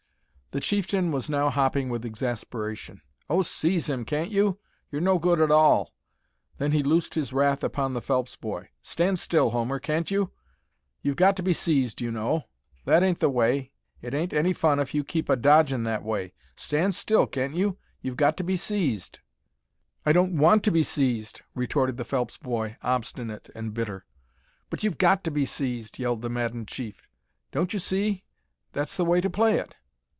The chieftain was now hopping with exasperation. "Oh, seize him, can't you? You're no good at all!" Then he loosed his wrath upon the Phelps boy: "Stand still, Homer, can't you? You've got to be seized, you know. That ain't the way. It ain't any fun if you keep a dodgin' that way. Stand still, can't you! You've got to be seized." "I don't want to be seized," retorted the Phelps boy, obstinate and bitter. "But you've got to be seized!" yelled the maddened chief. "Don't you see? That's the way to play it."